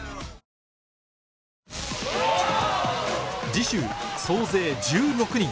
次週総勢１６人